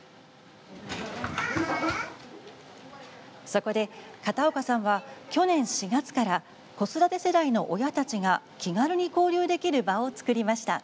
そこで片岡さんは去年４月から子育て世代の親たちが気軽に交流できる場を作りました。